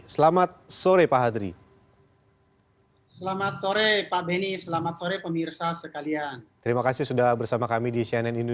selamat sore pak hadri